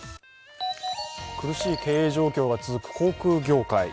苦しい経営状況が続く航空業界。